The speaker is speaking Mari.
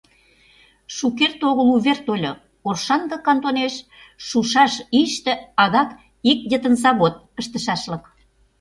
Шукерте огыл увер тольо: Оршанка кантонеш шушаш ийыште адак ик йытын завод ыштышашлык.